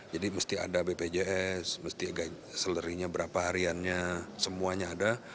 jadi mesti ada bpjs mesti selerinya berapa hariannya semuanya